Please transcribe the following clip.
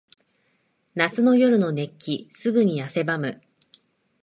夏の夜の熱気。すぐに汗ばむ。